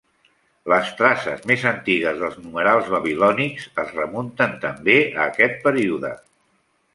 Les traces més antigues dels numerals babilònics es remunten també a aquest període.